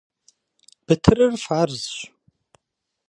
Бытырыр фарзщ.